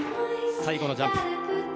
最後のジャンプ。